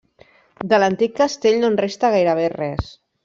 De l'antic castell no en resta gairebé res.